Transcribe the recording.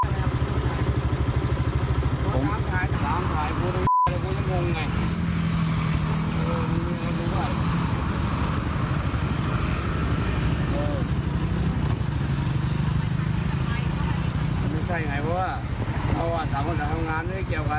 อีกนิดนึงก็ไม่ใช่ไงเพราะว่าสามคนจะทำงานไม่ได้เกี่ยวกัน